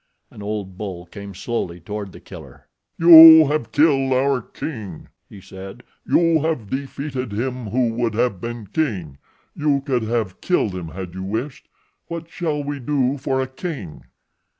An old bull came slowly toward The Killer. "You have killed our king," he said. "You have defeated him who would have been king. You could have killed him had you wished. What shall we do for a king?"